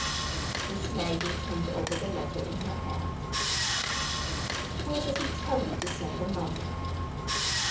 Miss Maggie turned over the letter in her hand. "Where does he tell you to send the money?"